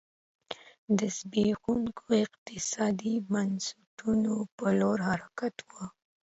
د زبېښونکو اقتصادي بنسټونو په لور حرکت و.